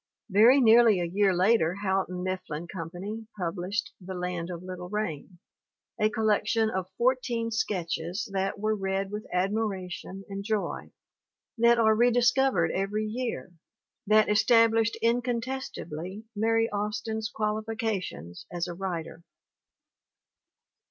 Very nearly a year later Houghton Mifflin Company pub lished The Land of Little Rain, a collection of four teen sketches that were read with admiration and joy, that are re discovered every year, that established in contestably Mary Austin's qualifications as a writer.